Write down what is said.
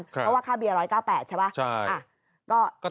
เพราะว่าค่าเบียร์๑๙๘ใช่ป่ะอ่ะ